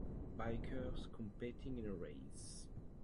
Bikers competing in a race.